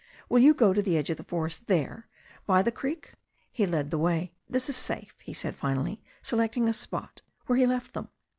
Will you go to the edge of the forest there, by the creek ?" He led the way. "This is safe," he said finally, selecting a spot, where he left them.